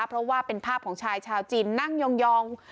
เพราะว่าเป็นภาพของชายชาวจีนนั่งยอง